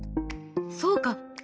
そうか！